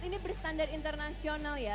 ini berstandar internasional ya